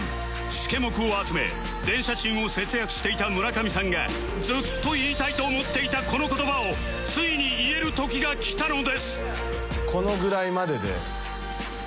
シケモクを集め電車賃を節約していた村上さんがずっと言いたいと思っていたこの言葉をついに言える時が来たのです